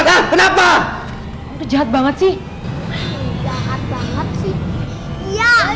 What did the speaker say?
emergency dejok elizabeth di depan tempat ikan si paul cara dari features ghost angel